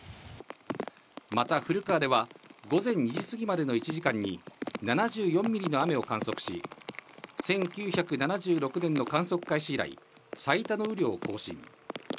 また古川では、午前２時過ぎまでの１時間に７４ミリの雨を観測し、１９７６年の観測開始以来、最多の雨量を更新。